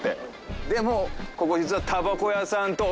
でもここ実は。